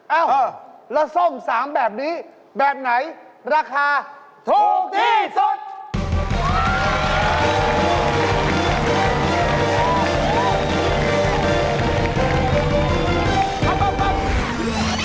เอ้าแล้วส้ม๓แบบนี้แบบไหนราคาถูกที่สุด